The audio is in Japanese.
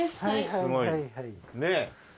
すごいねえ。